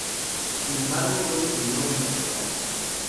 Sin embargo no diseñó el empaquetado.